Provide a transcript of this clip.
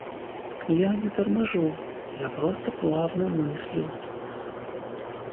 Я не торможу — я просто плавно мыслю.